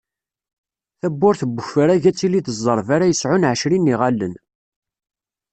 Tabburt n ufrag ad tili d ẓẓerb ara yesɛun ɛecrin n iɣallen.